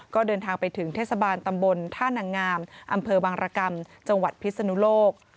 ก็เดินทางไปถึงเทศบาลตำบลท่านังงามอำเภอบางรกรรมจังหวัดพิศนุโลก